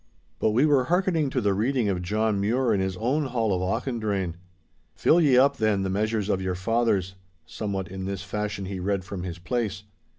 But we were hearkening to the reading of John Mure in his own hall of Auchendrayne. '"Fill ye up, then, the measures of your fathers,"' somewhat in this fashion he read from his place.